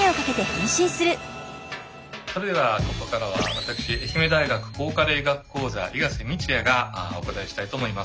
それではここからは私愛媛大学抗加齢医学講座伊賀瀬道也がお答えしたいと思います。